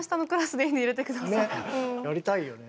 ねっやりたいよね。